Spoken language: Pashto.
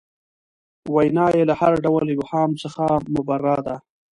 وینا یې له هر ډول ابهام څخه مبرا ده.